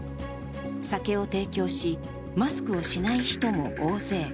酒を提供し、マスクをしない人も大勢。